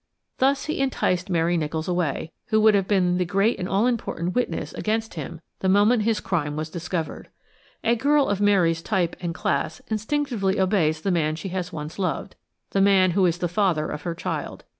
Thus he enticed Mary Nicholls away, who would have been the great and all important witness against him the moment his crime was discovered. A girl of Mary's type and class instinctively obeys the man she has once loved, the man who is the father of her child.